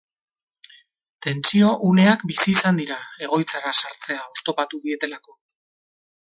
Tentsio uneak bizi izan dira, egoitzara sartzea oztopatu dietelako.